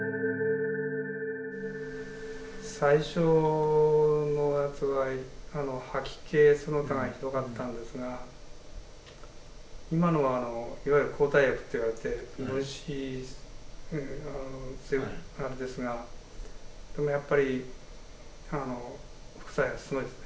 最初のやつは吐き気その他がひどかったんですが今のはいわゆる抗体薬といわれる分子標的薬ですがやっぱり副作用はすごいですね。